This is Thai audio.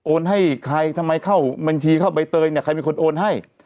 ให้ใครทำไมเข้าบัญชีเข้าใบเตยเนี่ยใครเป็นคนโอนให้